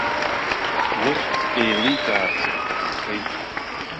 Лыхьӡ еиликаарц иҭаххеит.